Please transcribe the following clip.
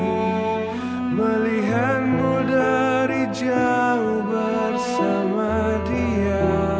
saya melihatmu dari jauh bersama dia